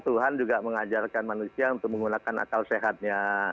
tuhan juga mengajarkan manusia untuk menggunakan akal sehatnya